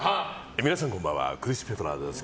皆さん、こんばんはクリス・ペプラーです。